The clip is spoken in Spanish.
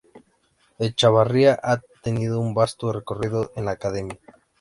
Echavarría ha tenido un basto recorrido en la academia.